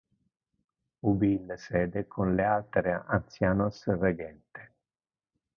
Ubi ille sede con le altere ancianos regente.